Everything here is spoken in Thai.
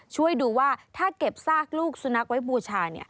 ช่วยดูว่าถ้าเก็บซากลูกสุนัขไว้บูชา